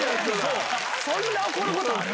そんな怒ることある？